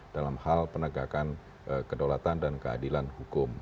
dalam hal penegakan kedaulatan dan keadilan hukum